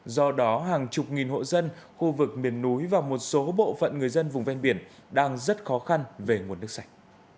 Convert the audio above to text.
do đó hàng chục nghìn hộ dân khu vực miền núi và một số bộ phận người dân vùng ven biển đang rất khó khăn về nguồn nước sạch